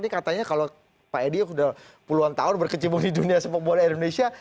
katanya kalau pak edi sudah puluhan tahun berkecimpung di dunia sepak bola indonesia